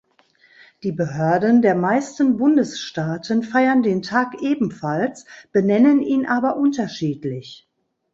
Die Behörden der meisten Bundesstaaten feiern den Tag ebenfalls, benennen ihn aber unterschiedlich.